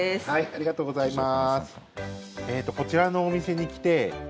ありがとうございます。